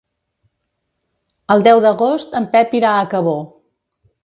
El deu d'agost en Pep irà a Cabó.